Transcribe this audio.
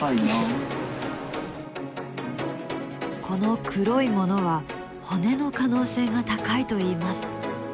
この黒いものは骨の可能性が高いといいます。